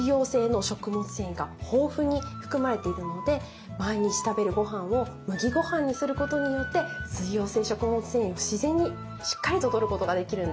繊維が豊富に含まれているので毎日食べるごはんを麦ごはんにすることによって水溶性食物繊維を自然にしっかりととることができるんです。